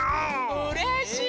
うれしい！